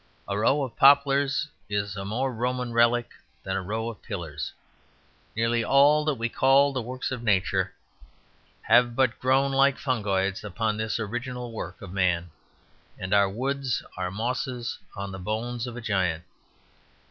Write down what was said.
A row of poplars is a more Roman relic than a row of pillars. Nearly all that we call the works of nature have but grown like fungoids upon this original work of man; and our woods are mosses on the bones of a giant.